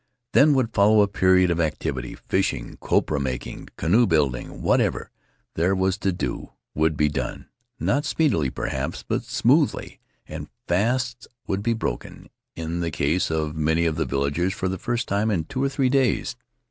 Then would follow a period of activity — fishing, copra making, canoe building, what ever there was to do would be done, not speedily, perhaps, but smoothly, and fasts would be broken — in the case of many of the villagers for the first time in two or three days.